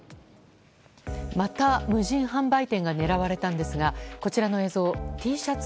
また無人販売店が狙われたんですがこちらの映像Ｔシャツ